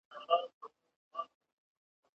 غل شړه، نو نه تر خپله کوره.